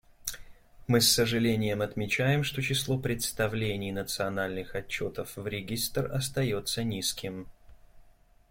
Мы с сожалением отмечаем, что число представлений национальных отчетов в Регистр остается низким.